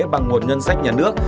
bằng nguồn ngân sách nhà nước